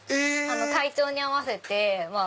体調に合わせて。